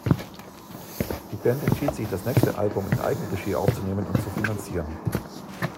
Die Band entschied sich das nächste Album in Eigenregie aufzunehmen und zu finanzieren.